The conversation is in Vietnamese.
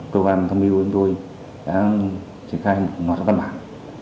cơ quan tham mưu của chúng tôi đã triển khai một ngọn đoạn văn bản